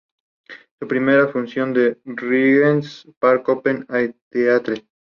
Su primera función fue en Regent's Park Open Air Theatre.